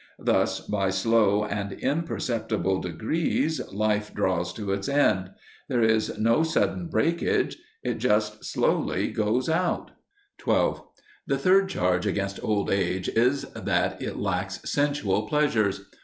Thus, by slow and imperceptible degrees life draws to its end. There is no sudden breakage; it just slowly goes out. 12. The third charge against old age is that it LACKS SENSUAL PLEASURES.